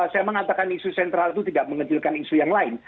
saya mengatakan isu sentral itu tidak mengecilkan isu yang lain